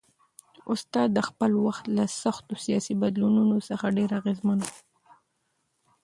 استاد د خپل وخت له سختو سیاسي بدلونونو څخه ډېر اغېزمن و.